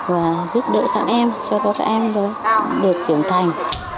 và giúp đỡ các em cho các em được trưởng thành